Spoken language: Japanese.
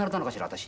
私。